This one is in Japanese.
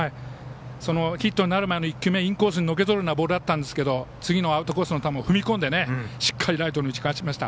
ヒットになる前の１球目インコースにのけぞるようなボールだったんですけど次のアウトコースのボールに踏み込んでしっかりライトに打ち返しました。